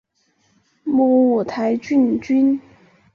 母五台郡君。